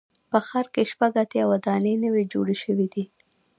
په ښار کې شپږ اتیا ودانۍ نوي جوړې شوې دي.